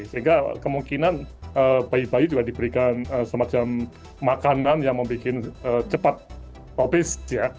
sehingga kemungkinan bayi bayi juga diberikan semacam makanan yang membuat cepat kopis